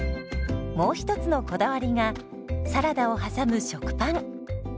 もう一つのこだわりがサラダを挟む食パン。